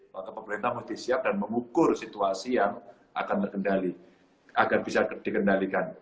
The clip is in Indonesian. maka pemerintah mesti siap dan memukul situasi yang akan dikendalikan